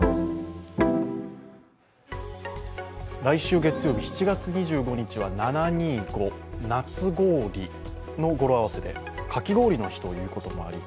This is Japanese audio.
来週月曜日、７月２５日はナナ・ニ・ゴ、夏氷の語呂合わせでかき氷の日ということもあり